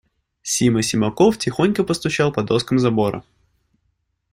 Сима Симаков тихонько постучал по доскам забора.